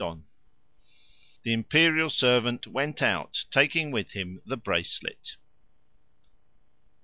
The imperial servant went out, taking with him the bracelet.